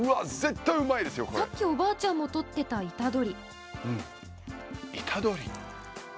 さっき、おばあちゃんも採っていたイタドリ。